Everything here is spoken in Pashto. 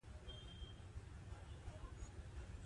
هغه د اسپانیا د سانتیاګو زیارلاره ووهله.